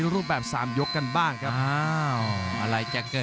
รับทราบบรรดาศักดิ์